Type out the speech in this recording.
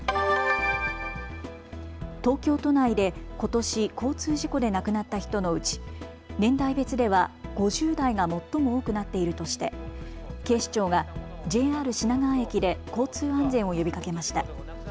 東京都内でことし交通事故で亡くなった人のうち年代別では５０代が最も多くなっているとして警視庁がＪＲ品川駅で交通安全を呼びかけました。